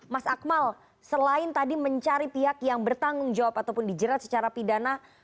mas akmal selain tadi mencari pihak yang bertanggung jawab ataupun dijerat secara pidana